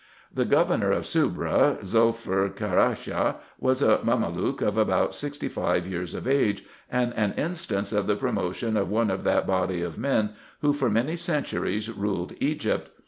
The governor of Soubra, Zulfur Carcaja, was a Mamelouk of about sixty five years of age, and an instance of the promotion of one of that body of men, who for so many centuries ruled Egypt.